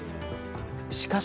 しかし。